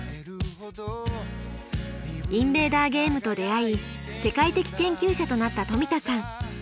インベーダーゲームと出会い世界的研究者となった冨田さん。